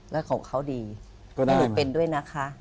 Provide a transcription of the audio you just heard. และของเขาดีให้หนูเป็นด้วยนะคะ